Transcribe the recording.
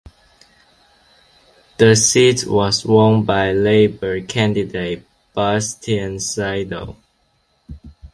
The seat was won by Labor candidate Bastian Seidel.